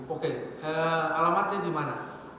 oke alamatnya di mana